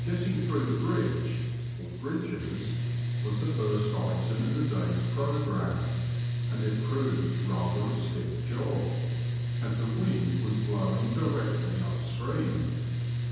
Getting through the bridge, or bridges, was the first item in the day's programme, and it proved rather a stiff job, as the wind was blowing directly up stream.